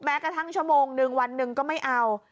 กระทั่งชั่วโมงนึงวันหนึ่งก็ไม่เอา